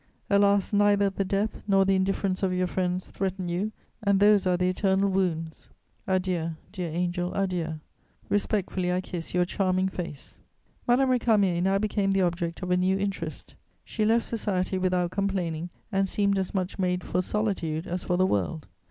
Alas, neither the death nor the indifference of your friends threaten you, and those are the eternal wounds. Adieu, dear angel, adieu! Respectfully I kiss your charming face...." Madame Récamier now became the object of a new interest: she left society without complaining and seemed as much made for solitude as for the world.